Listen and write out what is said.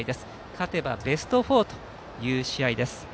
勝てばベスト４という試合です。